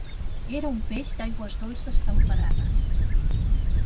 Era un peix d'aigües dolces temperades.